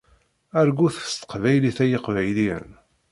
Argut s teqbaylit ay iqbayliyen!